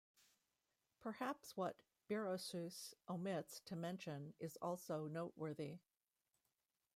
Perhaps what Berossus omits to mention is also noteworthy.